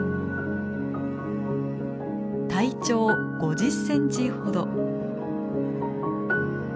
体長５０センチほど。